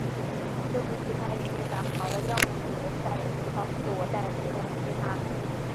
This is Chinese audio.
对不起，他已经改行了，要么你留下联系方式，我代你通知他。